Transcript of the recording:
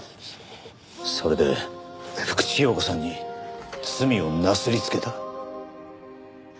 それで福地陽子さんに罪をなすりつけた。